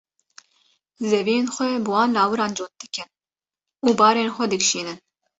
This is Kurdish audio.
zeviyên xwe bi wan lawiran cot dikin û barên xwe dikişînin.